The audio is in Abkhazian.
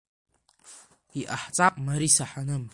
Иҟаҳҵап Мариса Ҳаным!